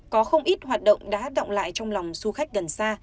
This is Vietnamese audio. có không ít hoạt động đã động lại trong lòng du khách gần xa